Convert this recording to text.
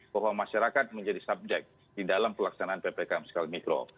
bahwa masyarakat menjadi subjek di dalam pelaksanaan ppkm skala mikro